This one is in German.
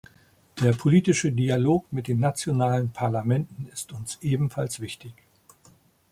Der politische Dialog mit den nationalen Parlamenten ist uns ebenfalls wichtig.